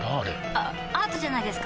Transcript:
あアートじゃないですか？